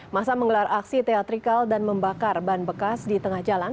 masa menggelar aksi teatrikal dan membakar ban bekas di tengah jalan